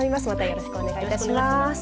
よろしくお願いします。